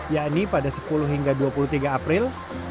yakni pada sepuluh hingga dua puluh tiga april